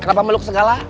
kenapa meluk segala